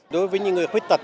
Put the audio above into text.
đối với những người khuyết tật